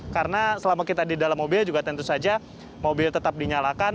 karena selama kita di dalam mobil juga tentu saja mobil tetap dinyalakan